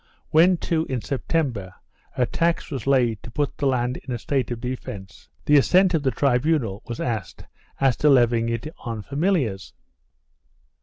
When too, in September, a tax was laid to put the land in a state of defence, the assent of the tribunal was asked as to levying it on familiars.